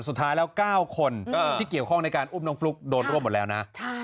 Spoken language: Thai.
สุดท้ายแล้ว๙คนที่เกี่ยวข้องในการอุ้มน้องฟลุ๊กโดนร่วมหมดแล้วนะ